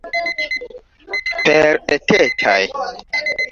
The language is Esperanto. Per etetaj.